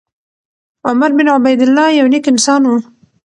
عمر بن عبیدالله یو نېک انسان و.